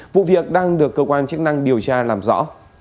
vụ việc đang được cơ quan chức năng điều tra làm rõ